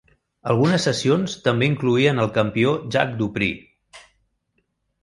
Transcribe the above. Algunes sessions també incloïen el campió Jack Dupree.